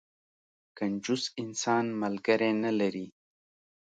کنجوس انسان، ملګری نه لري.